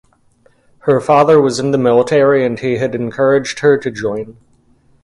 Her father was in the military and he had encouraged her to join.